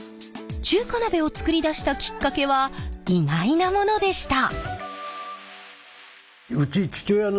中華鍋を作り出したきっかけは意外なものでした。